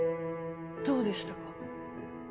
どうでしたか？